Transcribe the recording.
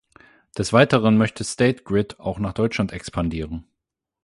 Des Weiteren möchte State Grid auch nach Deutschland expandieren.